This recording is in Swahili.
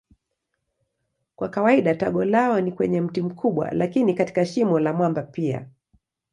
Kwa kawaida tago lao ni kwenye mti mkubwa lakini katika shimo la mwamba pia.